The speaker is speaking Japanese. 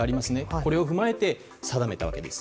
これを踏まえて定めたわけです。